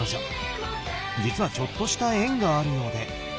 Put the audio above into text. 実はちょっとした縁があるようで。